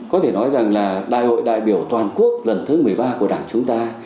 có thể nói rằng là đại hội đại biểu toàn quốc lần thứ một mươi ba của đảng chúng ta